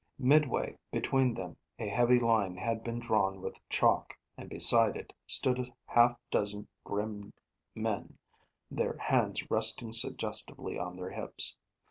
Midway between them a heavy line had been drawn with chalk, and beside it stood a half dozen grim men, their hands resting suggestively on their hips.